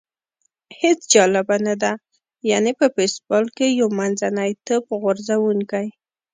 هېڅ جالبه نه ده، یعنې په بېسبال کې یو منځنی توپ غورځوونکی.